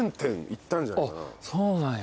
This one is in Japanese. そうなんや。